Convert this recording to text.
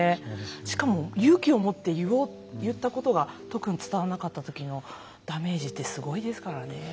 しかも勇気を持って言ったことが特に伝わらなかった時のダメージってすごいですからね。